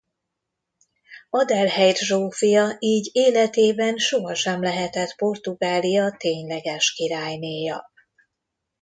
Adelheid Zsófia így életében sohasem lehetett Portugália tényleges királynéja.